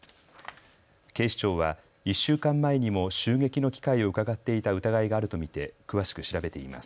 警視庁は１週間前にも襲撃の機会をうかがっていた疑いがあると見て詳しく調べています。